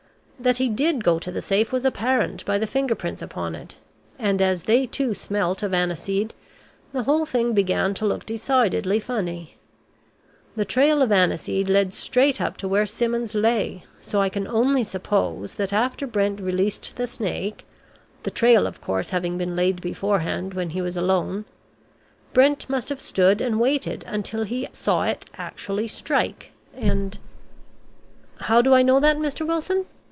That he did go to the safe was apparent by the finger prints upon it, and as they too smelt of aniseed, the whole thing began to look decidedly funny. The trail of aniseed led straight up to where Simmons lay, so I can only suppose that after Brent released the snake the trail of course having been laid beforehand, when he was alone Brent must have stood and waited until he saw it actually strike, and How do I know that, Mr. Wilson?